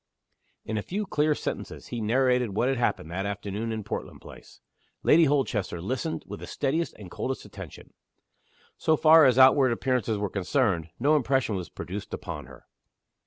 In a few clear sentences he narrated what had happened, that afternoon, in Portland Place. Lady Holchester listened with the steadiest and coldest attention. So far as outward appearances were concerned, no impression was produced upon her.